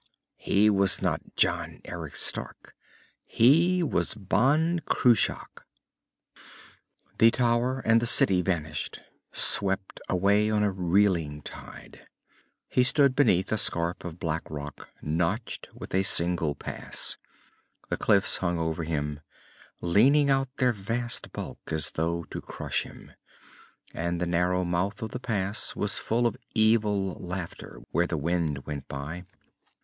He was not Eric John Stark. He was Ban Cruach. The tower and the city vanished, swept away on a reeling tide. He stood beneath a scarp of black rock, notched with a single pass. The cliffs hung over him, leaning out their vast bulk as though to crush him, and the narrow mouth of the pass was full of evil laughter where the wind went by.